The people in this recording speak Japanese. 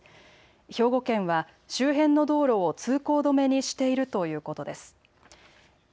兵庫県は周辺の道路を通行止めにしているということです。